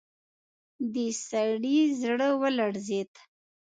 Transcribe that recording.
د سړي زړه ولړزېد.